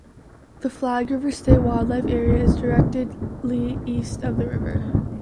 The Flag River State Wildlife Area is directly east of the river.